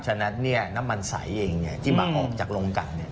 ฉะนั้นเนี่ยน้ำมันใสเองเนี่ยที่มาออกจากโรงกรรมเนี่ย